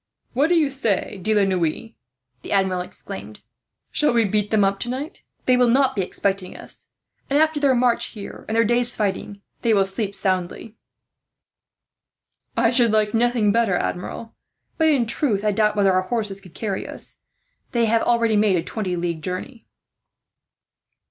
"What do you say, De la Noue," the Admiral exclaimed; "shall we beat them up tonight? They will not be expecting us and, after their march here and their day's fighting, they will sleep soundly." "I should like nothing better, Admiral; but in truth, I doubt whether our horses could carry us. They have already made a twenty league journey."